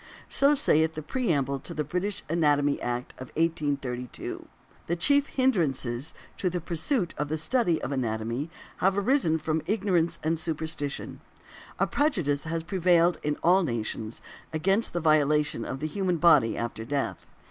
So saith the preamble to the British Anatomy Act of 1832. The chief hindrances to the pursuit of the study of anatomy have arisen from ignorance and superstition. A prejudice has prevailed in all nations against the violation of the human body after death.